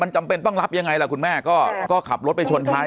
มันจำเป็นต้องรับยังไงก็ขับรถไปชนท้าย